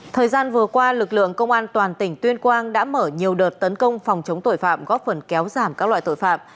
thời gian vừa qua lực lượng công an toàn tỉnh tuyên quang đã mở nhiều đợt tấn công phòng chống tội phạm góp phần kéo giảm các loại tội phạm